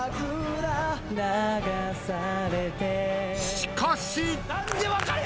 ［しかし］